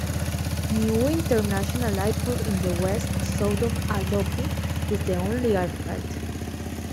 Niue International Airport in the west, south of Alofi, is the only airfield.